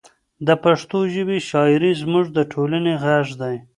د پښتو ژبې شاعري زموږ د ټولنې غږ دی.